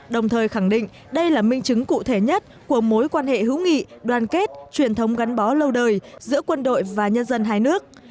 đồng thời khẳng định đây là minh chứng cụ thể nhất của mối quan hệ hữu nghị đoàn kết truyền thống gắn bó lâu đời giữa quân đội và nhân dân hai nước